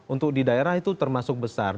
untuk di daerah itu termasuk besar